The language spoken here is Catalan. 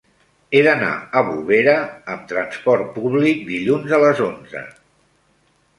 He d'anar a Bovera amb trasport públic dilluns a les onze.